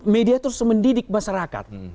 media itu harus mendidik masyarakat